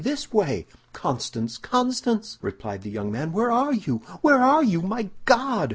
this way!" "Constance? Constance?" replied the young man, "where are you? where are you? My God!"